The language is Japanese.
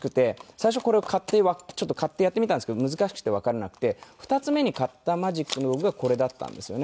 最初これを買ってやってみたんですけど難しくてわからなくて２つ目に買ったマジックの道具がこれだったんですよね。